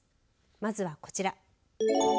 まずはこちら。